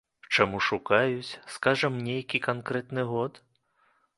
Чаму шукаюць, скажам, нейкі канкрэтны год?